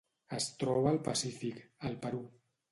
Es troba al Pacífic: el Perú.